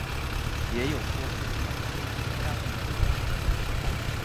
也有说是康熙廿五年。